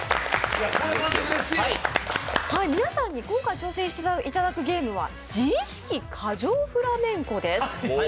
皆さんに今回挑戦していただくゲームは、「自意識過剰フラメンコ」です。